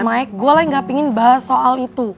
mike gue lah yang gak pingin bahas soal itu